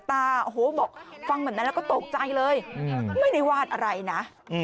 โอ้โหบอกฟังแบบนั้นแล้วก็ตกใจเลยไม่ได้วาดอะไรนะ